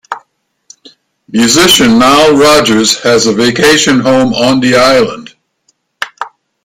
Musician Nile Rodgers has a vacation home on the island.